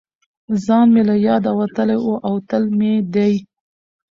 ځان مې له یاده وتلی و او تل مې دې